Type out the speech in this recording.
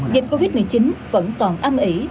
dịch covid một mươi chín vẫn còn âm ỉ